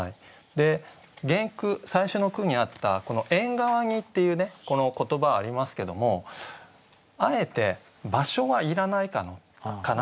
原句最初の句にあった「縁側に」っていうこの言葉ありますけどもあえて場所はいらないかなと。